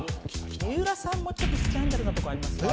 三浦さんもちょっとスキャンダルなとこありますよ。